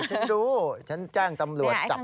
ฉันรู้ฉันแจ้งตำรวจจับ